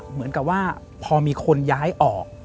เหมือนกับว่าพอมีคนย้ายออก